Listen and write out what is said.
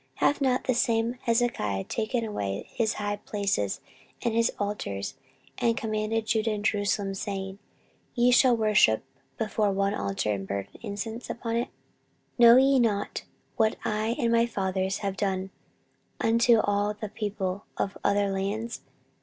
14:032:012 Hath not the same Hezekiah taken away his high places and his altars, and commanded Judah and Jerusalem, saying, Ye shall worship before one altar, and burn incense upon it? 14:032:013 Know ye not what I and my fathers have done unto all the people of other lands?